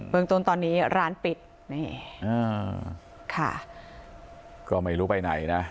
เมืองต้นตอนนี้ร้านปิดนี่อ่าค่ะก็ไม่รู้ไปไหนนะ